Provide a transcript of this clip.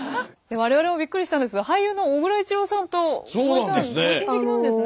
我々もびっくりしたんですが俳優の小倉一郎さんと森さんご親戚なんですね。